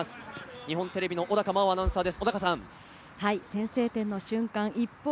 日本テレビの小高茉緒アナウンサーです。